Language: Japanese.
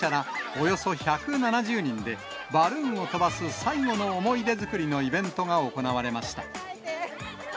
およそ１７０人で、バルーンを飛ばす最後の思い出作りのイベントが行われました。